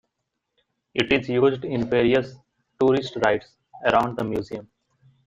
It is used in various tourist rides around the museum.